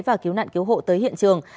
và cứu nạn cứu hộ tới hiện trường